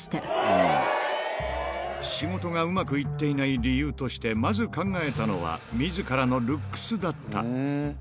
仕事がうまくいっていない理由としてまず考えたのは、みずからのルックスだった。